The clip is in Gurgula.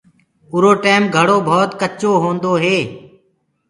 اُرو ٽيم گھڙو ڀوت ڪچو هوندو هي۔